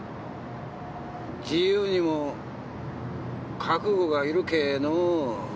自由にも覚悟がいるけえのう。